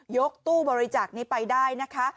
ยกตู้บริจาคนี้ไปได้นะคะ